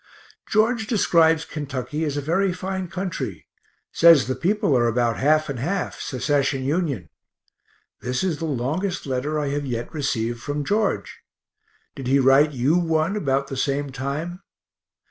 George describes Kentucky as a very fine country says the people are about half and half, Secesh and Union. This is the longest letter I have yet received from George. Did he write you one about the same time?